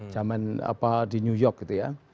zaman apa di new york gitu ya